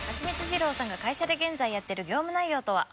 二郎さんが会社で現在やっている業務内容とは？